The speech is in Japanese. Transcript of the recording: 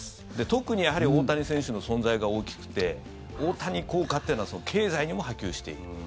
特にやはり大谷選手の存在が大きくて大谷効果というのは経済にも波及している。